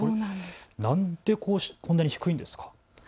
何でこんなに低いんですか。